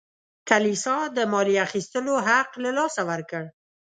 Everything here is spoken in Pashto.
کلیسا د مالیې اخیستلو حق له لاسه ورکړ.